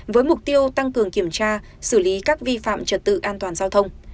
với mục tiêu tăng cường kiểm tra xử lý các vi phạm trật tự an toàn giao thông